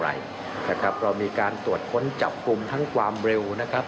อะไรนะครับเรามีการตรวจค้นจับกลุ่มทั้งความเร็วนะครับ